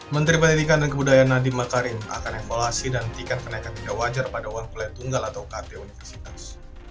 menteri pendidikan dan kebudayaan nadiem makarim akan evaluasi dan tingkat kenaikan tidak wajar pada uang kuliah tunggal atau kt universitas